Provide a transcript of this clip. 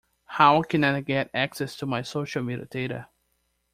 How can I get access to my social media data?